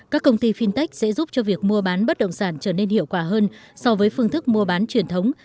các công ty fintech sẽ giúp cho việc mua bán bất động sản trở nên hiệu quả hơn so với phương thức mua bán truyền thống